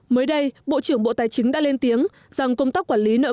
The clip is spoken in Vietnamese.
mới đây bộ trưởng bộ tài chính đã lên tiếng rằng công tác quản lý nợ